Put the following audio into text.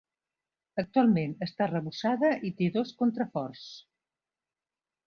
Actualment està arrebossada i té dos contraforts.